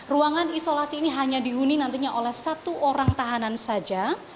ruangan isolasi ini hanya dihuni nantinya oleh satu orang tahanan saja